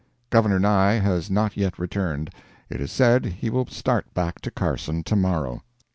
Governor Nye has not yet returned. It is said he will start back to Carson to morrow.